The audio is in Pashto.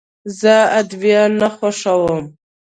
زه ادویه نه خوښوم.